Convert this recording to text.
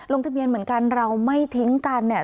ลงทะเบียนเหมือนกันเราไม่ทิ้งกันเนี่ย